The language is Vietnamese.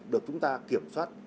được chúng ta kiểm soát